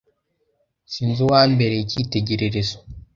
Sinzi uwambereye icyitegererezo.